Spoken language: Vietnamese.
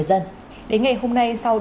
đây là giấy ạ